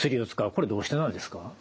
これどうしてなんですか？